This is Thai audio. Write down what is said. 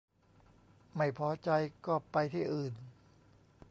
ไม่พอใจก็ไปที่อื่น